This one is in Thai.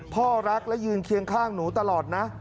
พ่อรักและยืนเคียงข้างหนูตลอดนะ